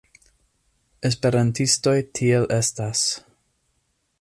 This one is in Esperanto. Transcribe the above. Esperantistoj tiel estas.